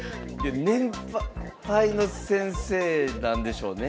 年配の先生なんでしょうね。